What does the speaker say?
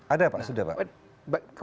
ada pak sudah pak